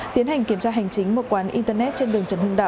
tiến hành kiểm tra hành chính một quán internet trên đường trần hưng đạo